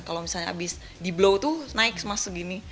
kalau misalnya abis di blow itu naik semasa segini